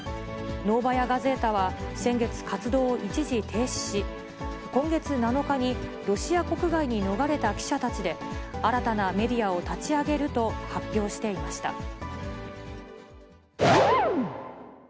ノーバヤ・ガゼータは、先月、活動を一時停止し、今月７日に、ロシア国外に逃れた記者たちで、新たなメディアを立ち上げると発表していました。